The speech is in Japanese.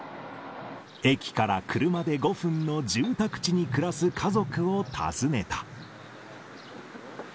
駅から車で５分の住宅地に暮らす家族を訪ねた。